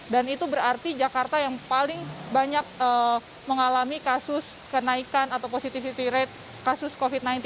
dan itu berarti jakarta yang paling banyak mengalami kasus kenaikan atau positivity rate kasus covid sembilan belas